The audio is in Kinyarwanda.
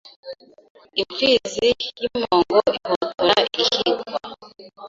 Imfizi y’impongo ihotora ihigwa.